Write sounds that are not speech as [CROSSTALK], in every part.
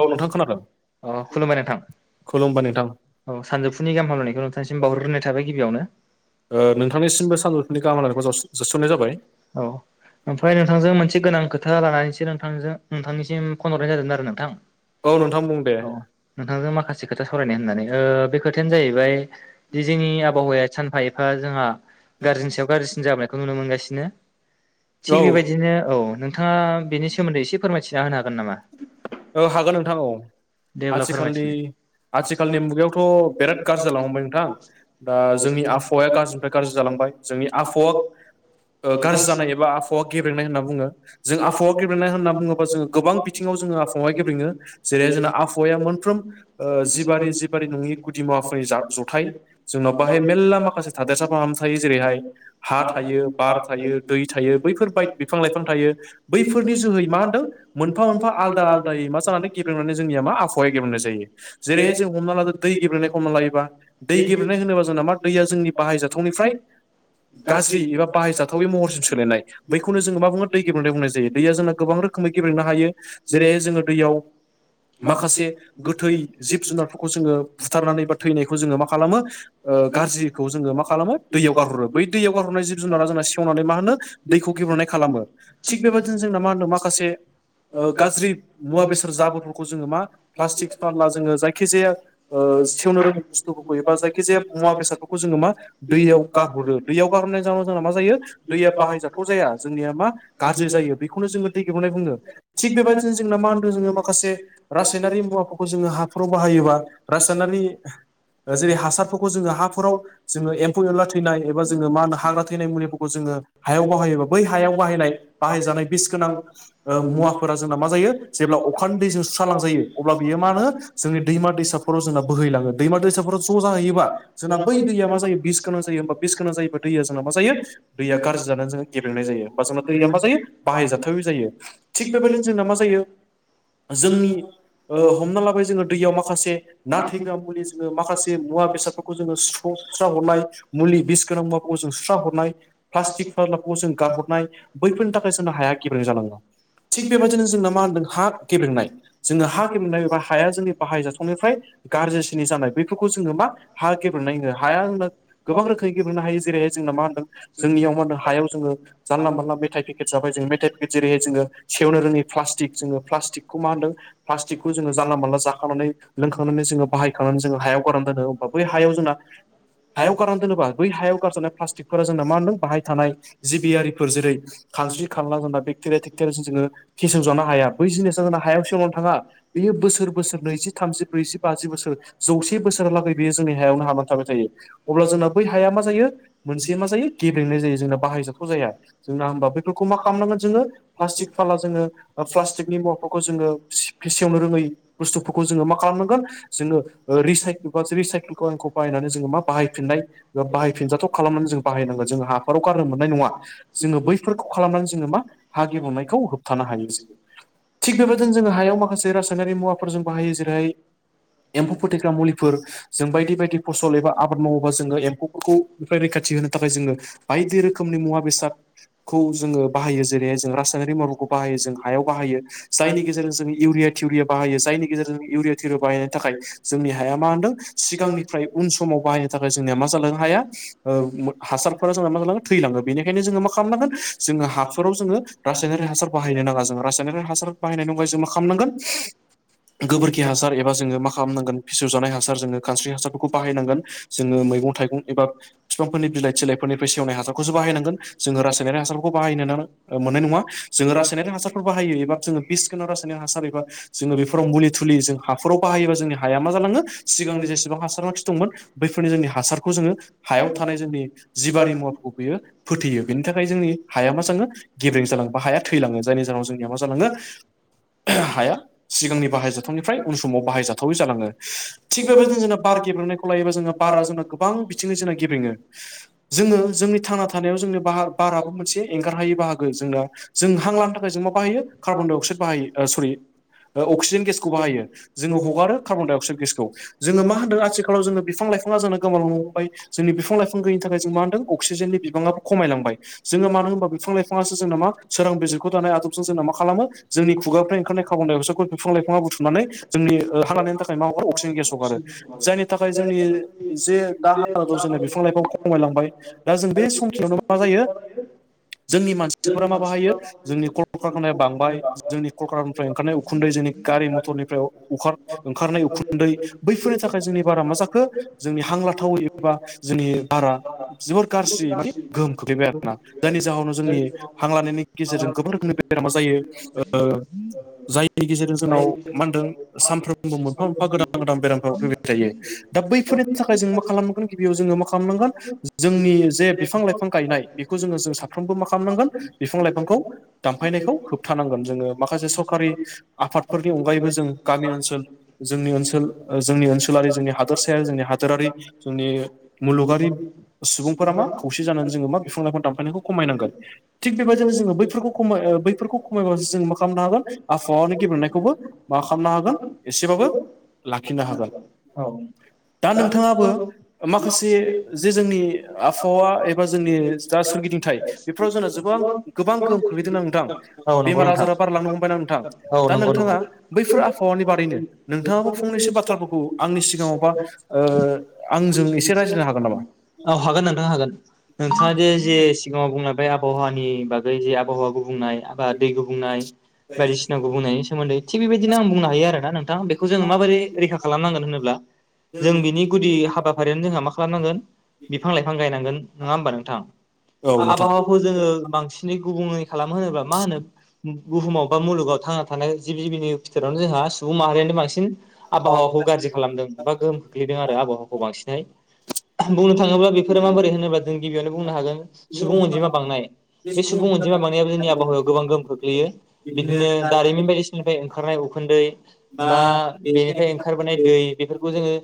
औ नोंथां खोनादों? अ खुलुमबाय नोंथां थाबाय गिबियावनो। ओ नोंथांनिसिमबो सानजुफुनि गाहाम हामलायनायखौ जासि जासिहरनाय जाबाय। ओमफ्राय नोंथांजों मोनसे गोनां खोथा लानानैसो नोंथांजों नोंथांनिसिम फन हरनाय जादोंमोन आरो नोंथां? औ नोंथांजों माखासे खोथा सावरायनाय होननानै ओ बे खोथायानो जाहैबाय दि जोंनि आबहावाया सानफा एफा जोंहा गाज्रिनि सायाव गाज्रिसिन जाबोनायखौ नुनो मोनगा सिनो थिग बेबायदिनो औ नोंथाङा बेनि सोमोन्दै एसे फोरमायथिना होनो हागोन नामा? औ हागोन नोंथां औ। दे अब्ला फोरमायथिलाय आथिखालनि मुगायावथ बिराद गाज्रि जालांनो हमबाय नोंथां। दा जोंनि आबहावाया गाज्रिनिफ्राय गाज्रि जालांबाय जोंनि आबहावा ओ गाज्रि जानाय एबा आहावा गेब्रेंनाय होनना बुङो जों आबहावा गेब्रेंनाय होनना बुङोबा जोङो गोबां बिथिङाव जोङो गेब्रेङो जेरैहाय जोंना आबहावाया मोनफ्रोम ओ जिबारि जिबारि नङनि गुदि मुवाफोरनि जा जथाइ जोंनाव बाहाय मेर्ला माखासे थादेरसा फाहाम थायो जेरैहाय हा थायो, बार थायो, दै थायो बैफोर बाय बिफां लाइफां थायो बैफोरनि जोहै मा होनदों? मोनफा मोनफा आल दायै मा जानानै गेब्रेंनानै जोंनिया मा आहावाया गब्रेंनाय जायो‌ जेरैहाय जों हमना लादो दै गेब्रेंनायखौ लायोबा दै गेब्रेंनाय होनोबा जोंना मा दैया जोंनि बाहायजाथावनिफ्राय गाज्रि एबा बाहायजाथावै महरसिम सोलायनाय बैखौनो जोङो मा बुङो दै गेब्रेंनाय बुंनाय जायो दैया जोंना गोबां रोखोमै गेब्रेंनो हायो। जेरै दैयाव माखासे गोथै जिब जुनारफोरखौ जोङो बुथारनानै बा थैनायखौ जोङो मा खालामो ओ गाज्रिखौ जोङो मा खालामो दैयाव गारहरो‌ बै दैयाव गारहरनाय जिब जुनारा जोंना सेवनानै मा होनो दैखौ गे हरनाय खालामो। थिग बेबायदिनो जोंना मा होनदों माखासे ओ गाज्रि मुवा बेसाद जाबोरफोरखौ जोङो मा प्लास्टिक फानला जोङो जायखिजाया ओ सेवनो रोङै बुस्थु खौ एबा जायखि जाया मुवा बेसाद जोङो मा दैयाव गारहरो दैयाव गारहरनाय जाउनाव जोंहा मा जायो दै दैया बाहाय जाथाव जाया‌ जोंनिया मा गाज्रि जायो बेखौनो जो दैे गेब्रेंनाय बुङो। थिग बेबायदिनो ना मा होनदों जोङो माखासे रासायनारि मुवाफोरखौ जोङो हाफोराव बाहायोबा रासायनारि ओ जेरै- हासारफोरखौ जोङो हाफोराव जोङो एम्फौ एनला थैनाय एबा जोङो मा होनो हाग्रा थैनाय मुलिफोरखौ जों ओ हायाव बाहायोबा बै हायाव बाहायनाय बाहाय जानाय बिस गोनां ओ मुवाफोरा जोंना जेब्ला अखानि दैजों सुस्रालांजायो अब्ला बियो मा होनो जोंनि दैमा दैसाफोराव जोंना बोहैलाङो दैमा दैसा फोराव ज' जाहैयोबा जोंना बै दैया मा जायो बिस गोनां जायो। होमबा बिस गोनां जायो दै जोंना मा जायो दैया गाज्रि जानानै जोङो गेब्रेंनाय जायो होमबा जोंना दैया मा जायो बाहायजाथावै जायो‌ थिग बेबायदिनो जोंना मा जायो जोंनि ओ हमना लाबाय जोङो दैयाव माखासे ना थैग्रा मुलि जोङो माखासे मुवा बेसादफोरखौ जोङो स्र सुस्र्रा हरनाय मुलि बिस गोनां मुवाखौ जों सुस्रा हरनाय प्लास्टिक फारलाखौ जों गारहरनाय। बैफोरनि थाखाय जोंनो हाया गेब्रेंनाय जालाङो। थिग बेबायदिनो जोंना मा होनदों हा गेब्रेंनाय जोङो हा गेब्रेंनाय एबा हाया जोंनि बाहाय जाथावनिफ्राय गाज्रिसिनि जानाय बेफोरखौ जोङो मा हा गेब्रेंनाय होनो। हाया जोंना गोबां रोखोमै गेब्रेंनो हायो जेरैहाय जोंना मा होनदों जोंनियाव मा हायाव जोङो जानला मोनला मेथाइ फेकेट जाबाय जों मेथाइ फेकेट जेरैहाय जोङो सेवनो रोङै प्लास्टिक। जोङो प्लास्टिकखौ मा होनदों प्लास्टिकखौ जोङो जानला मानला जाखांनानै लोंखांनानै जोङो बाहायखांनानै जोङो हा याव गारना दोनो। अब्लाबा बै हायाव जोंना हायाव गारनानै दोनोबा बै हायाव गारज'नाय प्लास्टिकफोरा जोंना मा होनदों बाहाय थानाय जिबियारिफोर जेरै खानस्रि-खानला जेनबा बेक्टेरिया टेक्टेरिया जों जोङो फेसेव जानो हाया। बै जिनिसा जोंना हायाव सेङाव थाङा। बेयो बोसोर बोसोर नैजि, थामजि, ब्रैजि, बाजि, बोसोर जौसे बोसोर सोरहा लागै बेयो जोंनि हायावनो हाबानानै थांबाय थायो। अब्ला जोंना बै हाया मा जायो मोनसे मा जायो गेब्रेंनाय जायो। जोंना बाहाय जाथाव जाया, जोंना होनबा बैफोरखौ जों मा खालामबावनो नांगोन जोंङो प्लास्टिक फाला जोङो ओ प्लास्टिक नि मुवाफोरखौ जोङो फसेवनो रोङै बुस्थुफोरखौ जोङो मा खालामनांगोन जोङो ओ रिसयक [UNINTELLIGIBLE] बायनानै जोङो मा बाहायनाय बाहायफिनजाथाव खालामनानै जों बाहायनांगोन जों हाफोराव गारनो मोननाय नङा जोङो बैफोरखौ खालामनानै जोङो मा हा गवेनायखौ होबथानो हायो जोङो थिग बेबायदिनो जोङो हायाव माखासे रासायनारि मुवाफोर जों बाहायो जेरैहाय एम्फौ फोथैग्रा मुलिफोर जों बायदि बायदि फसल एबा आबाद मावोबा जोङो एम्फौफोरखौै निफ्राय रैखा होनो थाखाय जोङो बायदि रोखोमनि मुवा बेसादखौ जोङो बाहायो जेरैहाय जों रासायनारिक मखौ बा बाहायो जों हायाव बाहायो जायनि गेजेरजों जोङो इउरिया-थिउरिया बाहायो जायनि गेजेरजों जों इउरिया-थिउरिया बाहायनायनि थाखाय जोंनि हाया मा होनदो दों सिगांनिफ्राय उन समाव बाहायनो थाखाय जोंनिया मा जालांनो हाया ओ हासारफोरा जोंना मा जालाङो थैलाङो बेनिखायनो जोङो मा खालामनांगोन जोङो हाफोराव जोङो रासायनारि हासार बाहायनो नाङा जों रायनारि हासा बाहायनाय अगाय जों मा खालामनांगोन गोबोरखि हासार एबा जोङो मा खालामनांगोन फिसिजानाय हासार जोङो खानस्रि हासारफोरखौ बाहायनांगोन जोङो मैगं थाइग एबा बिफांफोरनि बिलाइ थलाइफोरनिफ्राय सेवनाय हासारखौसो बायनांगोन जोङो रासायनारि हासारफोरखौखौ बायनो ना ङा मोननाय नङा जोंङो रासायनिक हासारफोर बाहायो एबा बिस गोनां रासायनिक हासार एबा जोङो बेफोराव मुलि-थुलि जों हाफोराव बाहायोब जों हाया माजालाङो सि जोंनि जेसेबां हासार मानसि दंमोन बैफोरनि जोंनि हासारखौ जोङो हायाव थानाय जोंनि जिबारि मुवाफोरखौ गैया फोथैयो बेनि थाखाय जोंनि हाया मा जाङो गेबें जलाङ बा हाया थैलाङो जायनि जाहोनाव जोंनि मा जालाङो। हाया सिगांनि बाहायजाथावनिफ्राय उन समाव बाहायजाथावै जालाङो थिग बेबायदिनो जोंना बार गेब्रेंनायखौ लायोबा जोंना बारा जोंना गोबां बिथिंनि जोंना गेबेङो जोङो जोंनि थांना थानायाव जोंनि बा-बाराबो मोनसे एंगारहायै बाहागो जोंना जों हां लानो थाखाय जों मा बाहायो कार्बनडाय अक्साइड अक्साइद बाहायो ओ सरि ओ अक्सिजेन गेसखौ बाहायो जोङो कार्बण-डाइ अक्साइड गेसखौ जोङो मा होनदों आथिालाव जो बिफां लाइ फाङा जोंना गोमांबाय जोंनि बिफां-लाइफां गयैनि थाखाय जों मा होनदों अक्सिजेननि बिबाङाबो खमायलांबाय जोङो मानो होनबा बिफां-लाइफाङासो जोंना मा सोरां बिजिरख' दानाय आदबजों जोंना मा खालामो जोंनि खुगानिफ्राय ओंखारनाय खनाय हसखौ बिफां लाइफाङा बुथुमनानै जोंनि हानायनि थाखाय मा हर अक्सिज गेस हगारो जायनि थाखाय जोंनि जे दा हालाव जोंना बिफां लाइफां खमायलांबाय [UNINTELLIGIBLE] जोंनि मानसिफोरा मा बाहायो जोंनि [UNINTELLIGIBLE] बांबाय जोंनि ककारानिफ्राय ओंखारनाय उखुन्दै जोंनि गारि मटरनिफ्राय ओंखारनाय उखुन्दै दै बैफोरनि थाखाय जोंनि बारा मा जाखो जोंनि हांला थावै एबा जोंनि बारा जोबोर गाज्रि मान गोहोम खोखैबाय आरोना जायनि जाहोनाव जोंनि हां लानायनि गेजेरजों गोबां रोखोमनि बेरामा जायो ओ जायनि गेजेरजों जोंनाव मा होनदों सानफ्रोमबो मोनफा मोनफा गोदान गोदान बेरामफोर फैबाय थायो दा बैफोरनि थाखाय जों मा खालामनांगोन गिबियाव जोङो मा खालामनांगोन जोंनि जे बिफां लाइफां गायनाय बेखौ जोङो जों साफ्रोमबो मा खालामनांगोन बिफां लाइफांखौ दामफायनायखौ होबथानांगोन जोङो माखासे सरकारि आफादफोरनि अनगायैबो जों गामि ओनसोल जोंनि ओनसोल जोंनि ओनसोलारि जोंनि हादोरसाया जोंनि हादोरारि जोंनि मुलुगारि सुबुंफोरा मा खौसे जानानै जोङो मा बिफां लाइफां दानफायनायखौ खमायनांगोन थिग [UNINTELLIGIBLE] खमाय ओ बैफोरखौ खमायबासो जों मा खालामनो हागोन आबहावानि गेबेनायखौबो मा खालामनो हागोन एसेबाबो [UNINTELLIGIBLE] दा नोंथाङाबो माखासे जे जोंनि आबहावा एबा जोंनि दा सोलि गिदिंथाइ बेफोराव जोंना गोबां गोबां गोहोम बेथ नोंथां बेमार आजारा बारलांनो हमबायना नोंथां दा नोंथाङा बैफोर आबहावानि बावैनो नोंथाङाबो फंनैसो बाथ्राफोरखौ आंनि सिगाङावबा ओ आंजों एसे रायज्लायनो हागोन नामा? औ हागोन नोंथां हागोन नोंथाङा जे जे सिगाङाव बुंलांबाय आबहावानि बागै जे आबहावा गुबुंनाय एबा दै गुबुंनाय बायदिसिनाखौ बुंनायनि सोमोन्दै थिग बेबायदिनो आं बुंनो हायो आरो ना नोंथाङा बेखौ जोङ माबोरै रैखा खालामनांगोन होनोबा [UNINTELLIGIBLE] जों बिनि गुदि हाबाफारियानो जोंहा मा खालामनांगोन बिफां लाइफां गायनांगोन नङा होमबा नोंथां? औ नोंथां जो बांसिनै गुबुङै खालाम होनोब्ला मा होनो बुहुमाव बा मुलुगाव थांना थानाय जिब जिबिनि बिथोरावनो जोंहा सुबुं माहारियानो बांसिन आबहावाखौ गाज्रि खालामदों बा गोहोम खोख्लैदों आरो आबहावाखौ बांसिनहाय बुंनो थाङोब्ला बेफोरो माबोरै होनोब्ला जों गिबियावनो बुंनो हागोन सुबुं अनजिमा बांनाय बे सुबुं अनजिमा बांनायाबो जोंनि आबहावायाव गोबां गोहोम खोख्लैयो बिदिनो दारिमिन बायदिसिनिफ्राय ओंखारनाय उखुन्दै बा बेनिफ्राय ओंखारबोनाय दै बेफोरखौ जोङो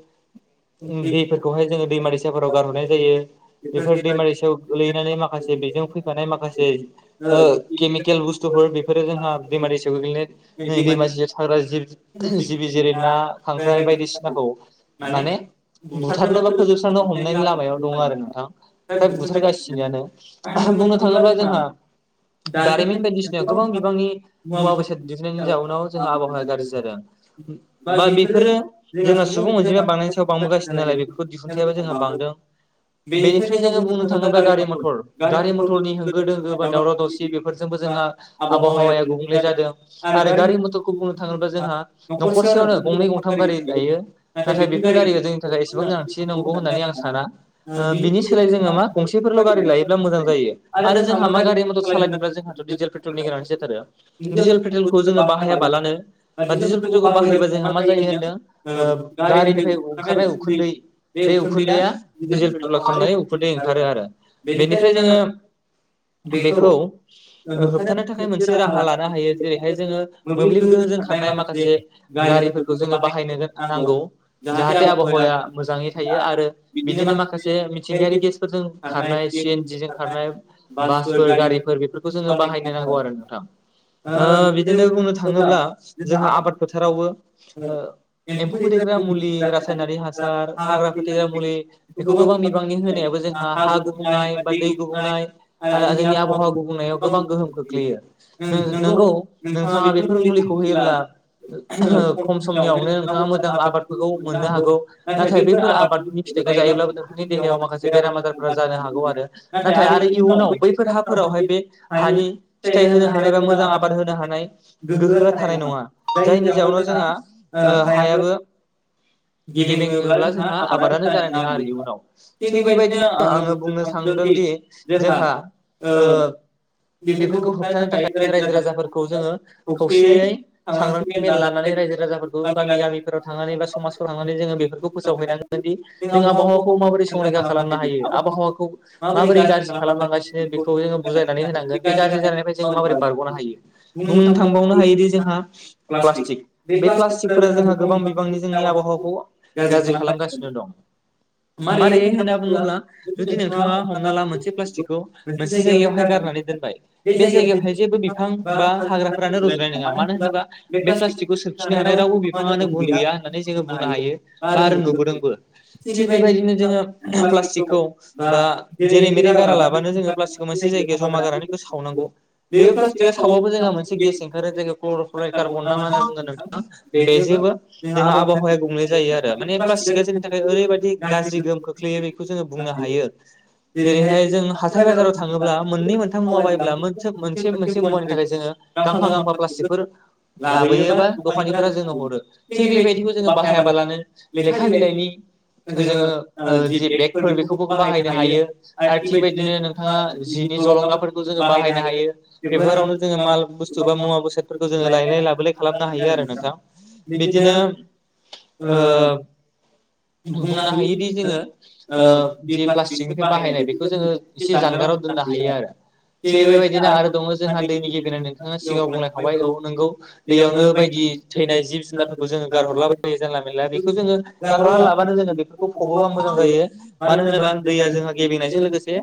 दैफोरखौहाय जोङो दैमा दैसाफोराव गारहरनाय जायो बेफोर दैमा दैसायाव गोल्लैनानै माखासे बेजों फैफानाय माखासे ओ केमिकेल केल बुस्थुफोर बेफोरो जोंहा दैमा दैसायाव गोग्लैनाय दैमा दैसायाव थाग्रा जि जिबि जेरै ना खांख्राइ बायदिसिनाखौ माने बुथारनोबा फोजोबस्रांनो हमनायनि लामायाव दङ आरो नोंथां [UNINTELLIGIBLE] [UNINTELLIGIBLE] बुंनो थाङोब्ला जोंहा दारिमिन बायदिसिनायाव गोबां बिबांनि मुवा बेसाद दिहु नि जाउनाव जोंहा आबहावाया गाज्रि जादों बा बेफोरो जोंना सुबुं अनजिमाया बांनायनि सायाव बांबोगासिनो नालाय बेफोरखौ दिहुनथ जोंहा बांदों बेनिफ्राय जोङो बुंनो थाङोबा गारि मथर गारि मथरनि होंगो दोंगो बा दावराव दावसि बेफोरजोंबो जोंहा आबहावाया गुबुंले जादों आरो गारि मथरखौ बुंनो थाङोब्ला जोंहा न'खरसेयावनो गंनै गंथाम गारि थायो नाथाय बेफोर गारिया जोंनि थाखाय एसेबां गोनांथि नंगौ होननानै आं साना ओ बिनि सोलाय जोङो मा गंसेफोरल' गारि लायोब्ला मोजां जायो आरो जोंहा मा गारि मटर सालायनोब्ला जोंहाथ' डिजेल पेट्रलनि गोनांथि जाथारो दिडिजेल पेट्रलखौ जोङो बाहायाबालानो बा डिजेल पेट्रलखौ बाहायबा जोंहा मा जायो होन्दों ओ गारिनिफ्राय ओंखारनाय उखुन्दै बे उखुन्दैया जल थला खालामनानै उखुन्दै ओंखारो आरो बेनिखायनो जोङो बेखौ होबथानो थाखाय मोनसे राहा लानो हायो जेरैहाय जोङो मोब्लिब गोहोजों खारनाय माखासे गारिफोरखौ जोङो बाहायनो नांगौ जाहाथे आबहावाया मोजाङै थायो आरो बिदिनो माखासे मिथिंगायारि गेसफोरजों खारनाय सि एनजिन जों खारनाय बासफोर गारिफोर बेफोरखौ जोङो बाहायनो नांगौ आरो नोंथां ओ बिदिनो बुंनो थाङोब्ला जोंहा आबाद फोथारावबो एम्फौ फोथैग्रा मुलि रासायनारि हासार हाग्रा फोथैग्रा मुलि बेखौ गोबां बिबांनि होनायाव जोंहा हा गुबुंनाय बा दै गुबुंनाय आरो जोंनि आबहावा गुबुंनायाव गोबां गोहोम खोख्लैयो नंगौ नोंथाङा बेफोर मुलिखौ होयो खम समनिआवनो नोंथाङा मोजां आबादफोरखौ मोननो हागौ नाथाय बैफोर आबादनि फिथाइखौ जायोब्लाबो नोंथांनि देहायाव माखासे बेराम आजारफोरा जानो हागौ आरो नाथाय आरो इयुनाव बैफोर हाफोरावहाय बे हानि फिथाइ होनो हानाय बा मोजां आबाद होनो हानाय गोहोआ थानाय नङा जायनि जाउनाव जोंहा ओ हायाबो गेबेङोब्ला जोंहा आबादानो जानाय नङा आरो इयुनाव थिग बेबायदिनो आङो बुंनो सानदोंदि जोंहा ओ बेफोरखौ होबथानो थाखाय रायजो राजाफोरखौ जोङो खौसेयै सांग्रांथि मेल लानानै रायजो राजाफोरखौ गामि गामिफोराव थांनानै बा समाजफोराव थांनानै जोङो बेफोरखौ फोसावहैनांगोन दि जों आबहावाखौ माबोरै संरैखा खालामनो हायो आबहावाखौ माबोरै गाज्रि खालामलांगासिनो बेखौ जोङो बुजायनानै होनांगोन बे गाज्रि जानायनिफ्राय जोङो माबोरै बार गनो हायो बुंनो थांबावनो हायोदि जोंहा प्लास्टिक बे प्लास्टिकफोरा जोंहा गोबां बिबांनि जोंनि आबहावा गाज्रि खालामगासिनो दं मारै होनना बुङोब्ला जुदि नोंथाङा हमना ला मोनसे प्लास्टिकखौ मोनसे जायगायावहाय गारनानै दोनबाय बे जायगायावहाय जेबो बिफां बा हाग्राफ्रानो रुज'नाय नङा मानो होनोबा बे प्लास्टिकखौ सोरखिनो हानाय रावबो बिफाङानो गुन गैया। नानै जोङो बुंनो हायो बा आरो नुबोदोंबो थि बेबायदिनो जोङो प्लास्तिकखौ बा जेरै मेरै गारा लाबानो जोङो प्लास्टिक मोनसे जायगायाव जमा गारनानैखौ सावनांगौ। बे प्लास्टिकआ सावबाबो जोंहा मोनसे गेस ओंखारो जायखौ क्लरफ्लराइड कार्बन ना मा होनगोन नोंथां बेजों जोंहा आबहावाया गुबुंले जायो आरो माने प्लास्टिका जोंनि थाखाय ओरैबा दि गाज्रि गोहोम खोख्लैयो बेखौ जोङो बुंनो हायो। जेरैहाय जों हाथाय बाजाराव थाङोब्ला मोननै मोनथाम मुवा बायोब्ला मोन मोनसे मोनसे मुवानि थाखाय जोङो गांफा गांफा प्लास्टिकफोर लाबोयोबा दखाननिफोरा जोंनो हरो थिग बेबायदिखौ जोङो बाहायाबालानो लेखा बिलाइनि जोङो जि बेगफोर बेफोरखौ बाहायनो हायो आरो थिग बेबायदिनो नोंथाङा जिनि जलंगाफोरखौ जोङो बाहायनो हायो। बेफोरावनो जोङो माल बुस्थु बा मुवा बेसादफोरखौ जोङो लायलाय लाबोलाय खालामनो हायो आरो नोंथां। बिदिनो ओ बुंनो हायोदि जोङो ओ जे प्लास्टिकनिफ्राय बाहायनाय बेखौ जोङो एसे जानगाराव दोननो हायो आरो। थिग बेबायदिनो आरो दङ जोंहा दैनि गिबिनाय नोंथाङा सिगाङाव बुंलखाबाय औ नोंगौ दैयावनो बायदि थैनाय जिब जुनारफोरखौ जों गारहरलाबायो जानला मानला बेखौ जोङो गारहरा लाबानो बेफोरखौ फबोबा मोजां जायो। मानो होनोबा दैया जोंहा गेबेंनायजों लोगोसे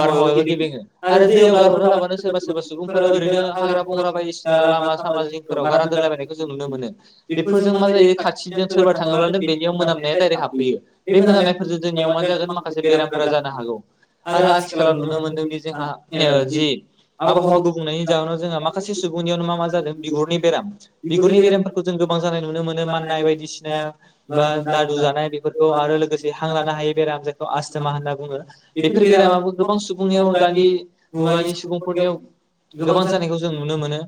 बारहावायाबो गेबेङो आरो दैयाव गारहरा लाबानो सोरबा सोरबा सुबुंफोरा ओरैनो हाग्रा बंग्रा बायदिसिना लामा सामा जिंफोराव गारना दोनलाबायनायखौ जों नुनो मोनो। बेफोरजों मा जायो खाथिजों सोरबा थाङोब्लानो बेनियाव मोनामनाया डाइरेक्ट हाबफैयो बे मोनामनायफोरजों जोंनियाव मा माखासे बेरामफोरा जानो हागौ आरो आथिखालाव नुनो मोनदोंदि जोंहा जि आबहावा गुबुंनायनि जाहोनाव जोंहा माखासे सुबुंनियावनो मा मा जादों बिगुरनि बेराम बिगुरनि बेरामफोरखौ जों जानाय नुनो मोनो माननाय बायदिसिनाया बा दादु जानाय बेफोरखौ आरो लोगोसे हां लानो हायै बेखौ आस्थमा होनना बुङो बेफोर बेरामाबो गोबां सुबुंनियाव दानि मुगानि सुबुंफोरनियाव गोबां जानायखौ जों नुनो मोनो।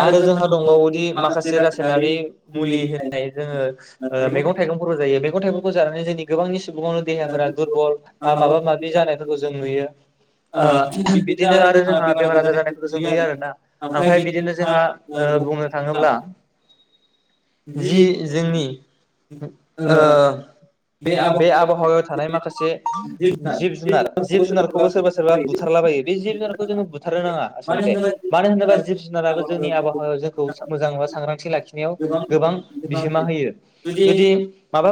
आरो जोंहा दंबावोदि माखासे रासायनारि मुलि होनाय जोङो मैगं थाइगं जायो मैं थाइगंखौ जानानै जोंनि गोबांनि सुबुंङा देहाफोरा दुरबल बा माबा माबि जानायफोरखौ जों नुयो। ओ बिदिनो आरो जोंहा बेमार आजार जानायफोरखौ जों नुयो आरोना ओमफ्राय बिदिनो जोंहा बुंनो थाङोब्ला जि जोंनि ओ बे आबहावायाव थानाय माखासे जिब जुनार जिब जुनारखौबो सोरबा सोरबा बुथारलाबायो बे जिब जुनारखौ जोङो बुथार नो नाङा आसलथे मानो होनोबा जिब जुनाराबो जोंनि आबहावायाव जोंखौ मोजां सांग्रांथि लाखिनायाव गोबां बिहोमा होयो जुदि माबा